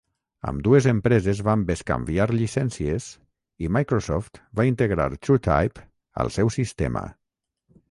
Ambdues empreses van bescanviar llicències i Microsoft va integrar TrueType al seu sistema.